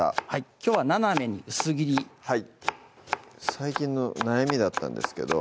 きょうは斜めに薄切り最近の悩みだったんですけど